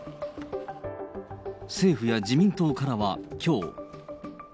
政府や自民党からはきょう。